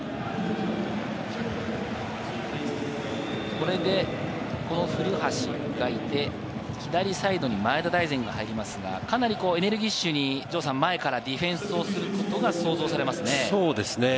これで古橋がいて、左サイドに前田大然が入りますが、かなりエネルギッシュに前からディフェンスをすることが想像されますね。